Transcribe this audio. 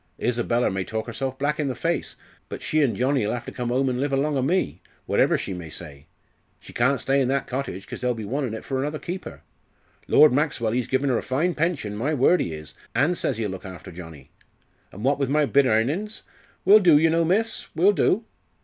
Isabella may talk herself black i' the face, but she and Johnnie'll have to come 'ome and live along o' me, whatever she may say. She can't stay in that cottage, cos they'll be wantin' it for another keeper. Lord Maxwell ee's givin' her a fine pension, my word ee is! an' says ee'll look after Johnnie. And what with my bit airnins we'll do, yer know, miss we'll do!"